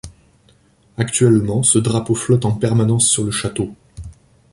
Actuellement, ce drapeau flotte en permanence sur le château.